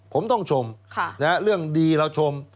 ผมต้องชมเรื่องดีเราชม